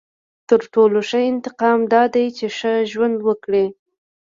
• تر ټولو ښه انتقام دا دی چې ښه ژوند وکړې.